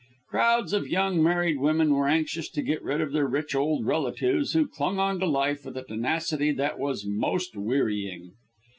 Crowds of young married women were anxious to get rid of their rich old relatives, who clung on to life with a tenacity that was "most wearying."